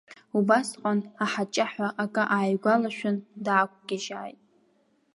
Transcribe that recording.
Убасҟан, аҳаҷаҳәа акы ааигәалашәан, даақәгьежьааит.